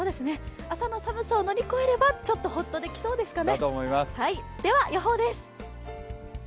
朝の寒さを乗り越えれば、ちょっとホッとできそうですかね。